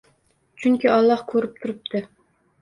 Chunki Alloh ko‘rib turibdi.